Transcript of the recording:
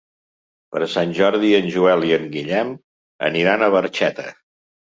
Per Sant Jordi en Joel i en Guillem aniran a Barxeta.